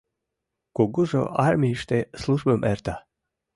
Кугужо армийыште службым эрта.